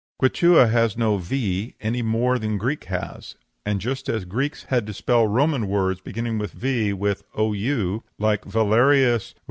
Quichua has no v, any more than Greek has, and just as the Greeks had to spell Roman words beginning with V with Ou, like Valerius Ou?